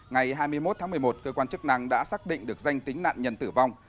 ngày hai mươi một tháng một mươi một cơ quan chức năng đã xác định được danh tính nạn nhân tử vong